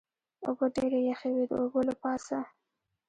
اوبه ډېرې یخې وې، د اوبو له پاسه.